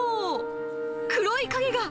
黒い影が。